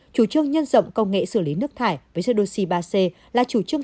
chủ trương nhân rộng công nghệ xử lý nước thải với jedoxi ba c là chủ trương